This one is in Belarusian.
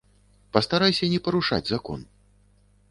Пастарайся не парушаць закон.